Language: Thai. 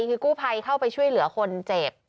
คือกู้ภัยเข้าไปช่วยเหลือคนเจ็บ